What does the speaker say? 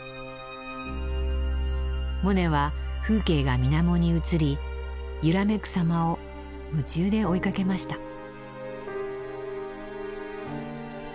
モネは風景が水面に映り揺らめくさまを夢中で追いかけました。